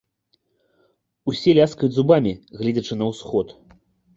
Усе ляскаюць зубамі, гледзячы на ўсход.